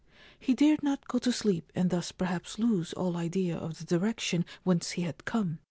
He dared not go to sleep and thus perhaps lose all idea of the direction whence he had come.